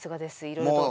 いろいろと。